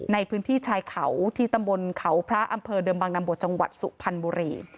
ในพื้นที่ชายเขาที่ตำบลเขาพระอำเภอเดิมบางนำบทจังหวัดสุพรรณบุรี